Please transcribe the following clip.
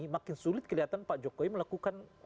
makin sulit kelihatan pak jokowi melakukan